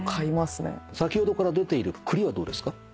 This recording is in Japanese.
先ほどから出ている栗はどうですか？